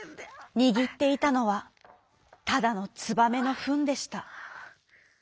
にぎっていたのはただのつばめのふんでした。